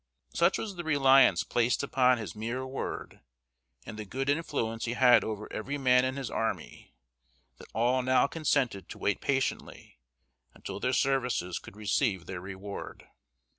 Such was the reliance placed upon his mere word, and the good influence he had over every man in his army, that all now consented to wait patiently until their services could receive their reward.